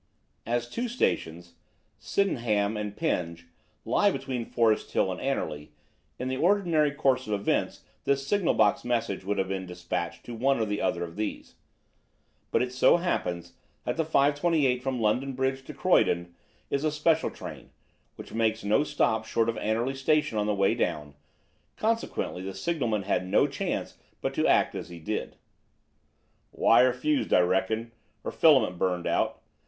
As two stations, Sydenham and Penge, lie between Forest Hill and Anerley, in the ordinary course of events this signal box message would have been despatched to one or the other of these; but it so happens that the 5.28 from London Bridge to Croydon is a special train, which makes no stop short of Anerley station on the way down, consequently the signalman had no choice but to act as he did. "Wire fused, I reckon, or filament burnt out.